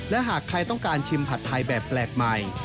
และหากใครต้องการชิมผัดไทยแบบแปลกใหม่